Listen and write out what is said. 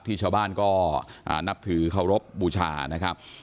ชาวบ้านก็นับถือเคารพบูชานะครับ